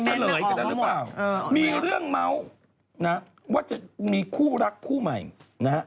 เฉลยกันแล้วหรือเปล่ามีเรื่องเมาส์นะว่าจะมีคู่รักคู่ใหม่นะฮะ